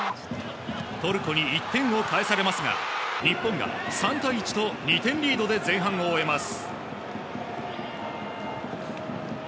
トルコに１点を返されますが、日本が３対１と２点リードで前半を終えます。